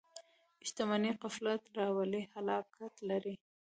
• شتمني که غفلت راولي، هلاکت لري.